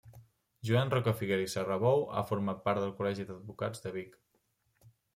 Joan Rocafiguera i Serrabou ha format part del Col·legi d'Advocats de Vic.